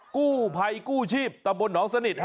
กู้ภัยกู้ชีพตำบลหนองสนิท